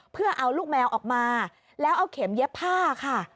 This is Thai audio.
เพื่อเอาลูกแมวออกมาแล้วเอาเข็มเย็บผ้าค่ะ